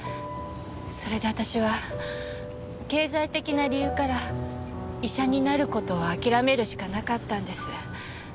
それで私は経済的な理由から医者になる事を諦めるしかなかったんです。